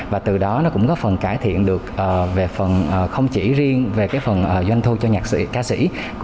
và từ đó nó cũng có phần cải thiện được về phần không chỉ riêng về cái phần doanh thu cho ca sĩ